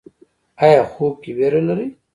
ایا خوب کې ویره لرئ؟